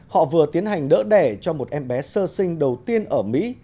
họ vừa tiến hành đỡ đẻ cho một em bé sơ sinh đầu tiên ở mỹ